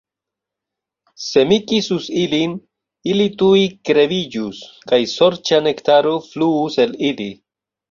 Se mi kisus ilin, ili tuj kreviĝus kaj sorĉa nektaro fluus el ili.